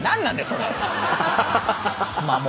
それ。